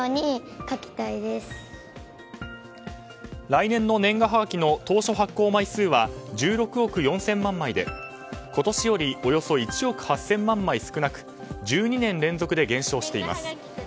来年の年賀はがきの当初発行枚数は１６億４０００万枚で今年よりおよそ１億８０００万枚少なく１２年連続で減少しています。